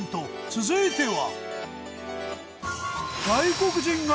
続いては。